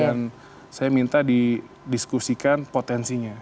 dan saya minta di diskusikan potensinya